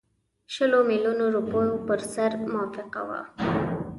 شلو میلیونو روپیو پر سر موافقه وه.